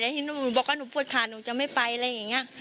ที่หนูบอกว่าหนูปวดขาหนูจะไม่ไปอะไรอย่างนี้